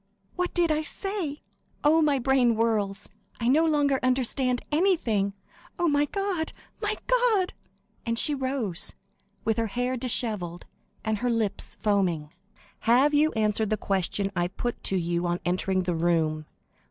"What did I say? Oh, my brain whirls; I no longer understand anything. Oh, my God, my God!" And she rose, with her hair dishevelled, and her lips foaming. "Have you answered the question I put to you on entering the room?